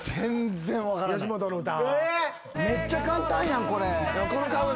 吉本の歌。